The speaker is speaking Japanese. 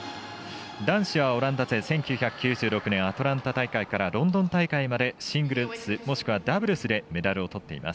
男子は、オランダ勢１９９６年、アトランタ大会からロンドン大会までシングルス、もしくはダブルスでメダルをとっています。